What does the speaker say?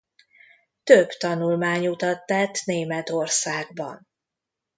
Több tanulmányutat tett Németországban.